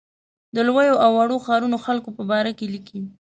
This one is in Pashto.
د لویو او وړو ښارونو خلکو په باره کې لیکي.